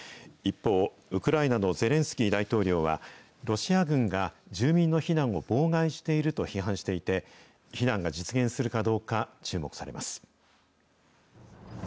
一方、ウクライナのゼレンスキー大統領は、ロシア軍が住民の避難を妨害していると批判していて、避難が実現するかどうか、注目されます。